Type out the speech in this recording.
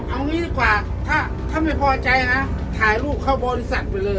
เอางี้ดีกว่าถ้าไม่พอใจนะถ่ายรูปเข้าบริษัทไปเลย